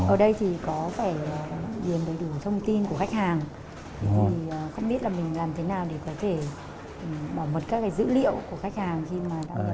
ở đây thì có phải điền đầy đủ thông tin của khách hàng